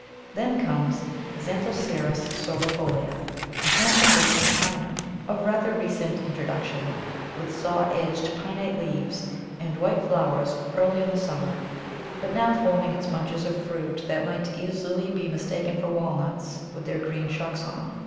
Then comes Xanthoceras sorbifolia, a handsome bush from China, of rather recent introduction, with saw edged pinnate leaves and white flowers earlier in the summer, but now forming its bunches of fruit that might easily be mistaken for walnuts with their green shucks on.